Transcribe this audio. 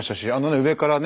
上からね